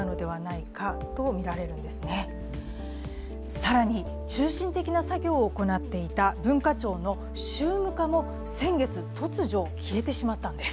更に中心的な作業を行っていた文化庁の宗務課も先月、突如消えてしまったんです。